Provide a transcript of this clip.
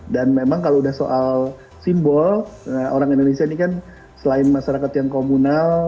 dan memang kalau sudah soal simbol orang indonesia ini kan selain masyarakat yang komunal